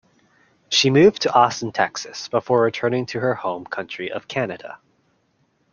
She moved to Austin, Texas before returning to her home country of Canada.